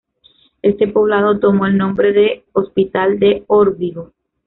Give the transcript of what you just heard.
Este poblado tomó el nombre de Hospital de Órbigo.